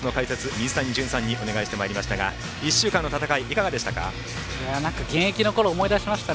水谷隼さんにお願いしてまいりましたが１週間の戦い、いかがでしたか？